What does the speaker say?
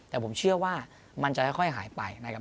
แต่ผมเชื่อว่ามันจะค่อยหายไปนะครับ